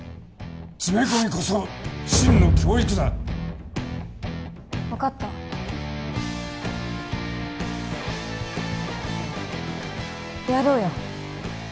詰め込みこそ真の教育だ分かったやろうよ